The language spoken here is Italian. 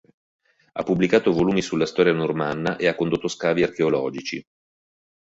Ha pubblicato volumi sulla storia normanna e ha condotto scavi archeologici.